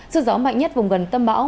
sự gió mạnh nhất vùng gần tâm bão